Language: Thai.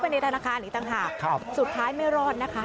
ในธนาคารอีกต่างหากสุดท้ายไม่รอดนะคะ